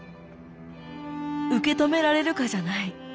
受け止められるかじゃない。